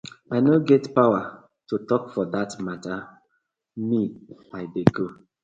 I no get powaar to tok for dat matta, me I dey go.